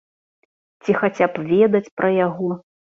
Ці хаця б ведаць пра яго.